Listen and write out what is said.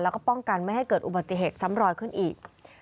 แล้วก็ป้องกันไม่ให้เกิดอุบัติเหตุซ้ำรอยขึ้นอีก